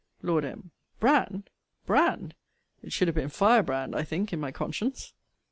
Lord M. Brand! Brand! It should have been Firebrand, I think in my conscience!